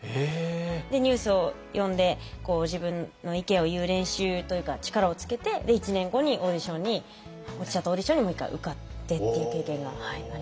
でニュースを読んで自分の意見を言う練習というか力をつけてで１年後にオーディションに落ちちゃったオーディションにもう１回受かってっていう経験があります。